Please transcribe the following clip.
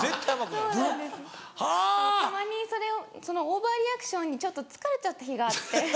たまにそれをそのオーバーリアクションにちょっと疲れちゃった日があって。